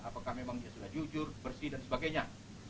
apakah memang dia sudah jujur bersih dan sebagainya